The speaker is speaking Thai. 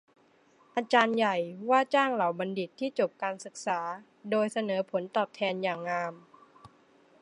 อาจารย์ใหญ่ว่าจ้างเหล่าบัณฑิตที่จบการศึกษาโดยเสนอผลตอบแทนอย่างงาม